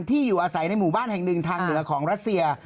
อยู่อาศัยในหมู่บ้านแห่งหนึ่งทางเหนือของรัสเซีย